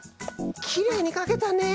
きれいにかけたね！